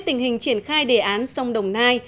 tình hình triển khai đề án sông đồng nai